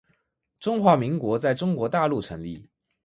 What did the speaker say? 中华民国在中国大陆成立